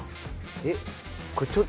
えっ？